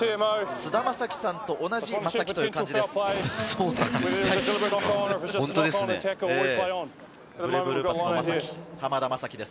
菅田将暉さんと同じ「将暉」という漢字です。